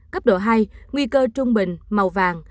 cấp độ hai nguy cơ trung bình màu vàng